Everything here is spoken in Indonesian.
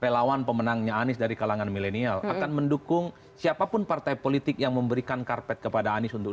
pelawan pemenangnya anies dari kalangan milenial akan mendukung siapapun partai politik yang memberikan karpet kepada anies untuk dua ribu dua puluh empat